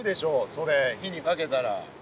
それ火にかけたら。